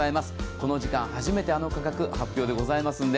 この時間、初めてあの価格発表でございますので、